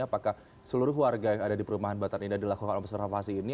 apakah seluruh warga yang ada di perumahan batan indah dilakukan observasi ini